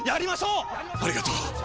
ありがとう！